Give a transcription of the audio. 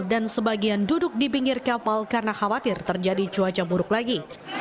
dan sebagian duduk di pinggir kapal karena khawatir terjadi cuaca buruk lagi